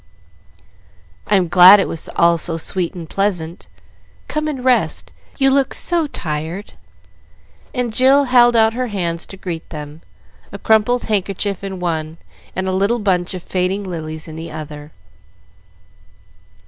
"I'm glad it was all so sweet and pleasant. Come and rest, you look so tired;" and Jill held out her hands to greet them a crumpled handkerchief in one and a little bunch of fading lilies in the other.